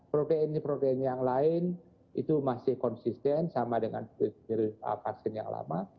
protein protein yang lain itu masih konsisten sama dengan vaksin yang lama